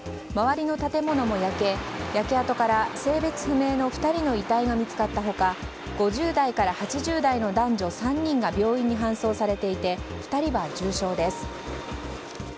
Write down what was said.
周りの建物も焼け焼け跡から性別不明の２人の遺体が見つかった他５０代から８０代の男女３人が病院に搬送されていて２人は重傷です。